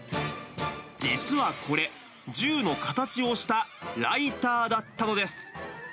実はこれ、銃の形をしたライターだったのです。